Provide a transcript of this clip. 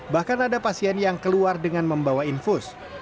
bahkan ada pasien yang keluar dengan membawa infus